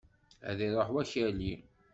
Ad iruḥ wakali!